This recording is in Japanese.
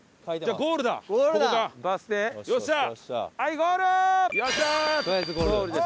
ゴールです。